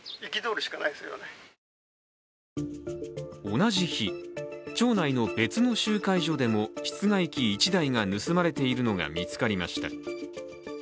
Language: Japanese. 同じ日、町内の別の集会所でも室外機１台が盗まれているのが見つかりました。